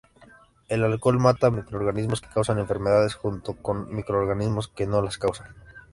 El alcohol mata microorganismos que causan enfermedades, junto otros microorganismos que no las causan.